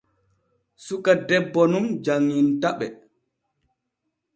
Suka debbo nun janŋintaɓe.